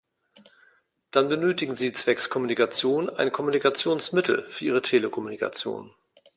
Dann benötigen sie zwecks Kommunikation ein Kommunikationsmittel für ihre Telekommunikation.